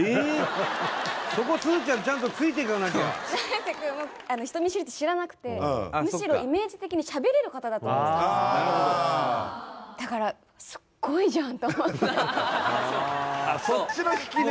そこすずちゃんちゃんとついてかなきゃ永瀬くんも人見知りって知らなくてむしろイメージ的にしゃべれる方だと思ってたんですだからそっちの引きね